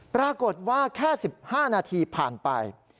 ปรากฏว่าแค่๑๕นาทีผ่านไป